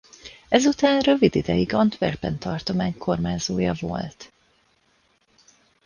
Ezután rövid ideig Antwerpen tartomány kormányzója volt.